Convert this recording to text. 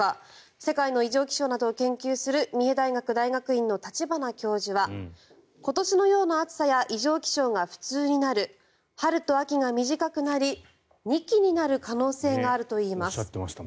世界の異常気象などを研究する三重大学大学院の立花教授は今年のような暑さや異常気象が普通になる春と秋が短くなり二季になる可能性があるといいます。